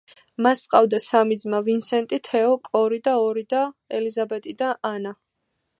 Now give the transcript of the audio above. მას ჰყავდა სამი ძმა ვინსენტი, თეო, კორი და ორი და ელიზაბეტი და ანა.